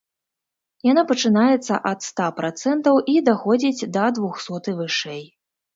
Яна пачынаецца ад ста працэнтаў і даходзіць да двухсот і вышэй.